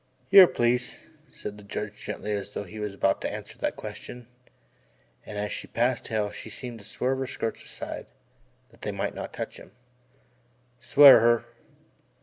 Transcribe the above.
0342] "Here, please," said the Judge gently, as though he were about to answer that question, and as she passed Hale she seemed to swerve her skirts aside that they might not touch him. "Swear her."